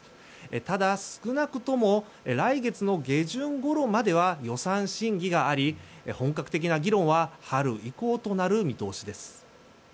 ただ、少なくとも来月の下旬ごろまでは予算審議があり、本格的な議論は春以降となる見通しです。